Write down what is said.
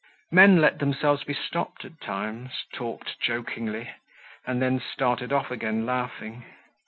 Men let themselves be stopped at times, talked jokingly, and then started off again laughing.